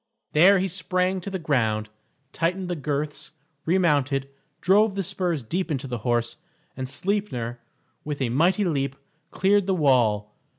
There he sprang to the ground, tightened the girths, remounted, drove the spurs deep into the horse, and Sleipner, with a mighty leap, cleared the wall.